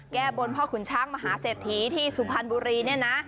แก้บนพ่อขุนช้างมหาเศรษฐีที่สุพรรณบุรีเนี่ยนะ